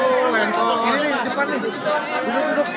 sini depan nih duduk duduk